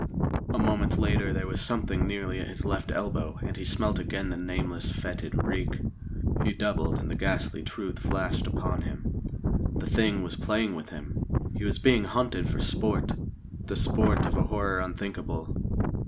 A moment later there was Something nearly at his left elbow, and he smelt again the nameless, fœtid reek. He doubled, and the ghastly truth flashed upon him. The Thing was playing with him! He was being hunted for sport the sport of a horror unthinkable.